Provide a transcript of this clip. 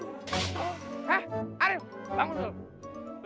hah arif bangun dulu